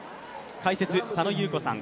解説、佐野優子さん